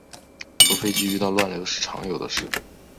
坐飞机遇到乱流是常有的事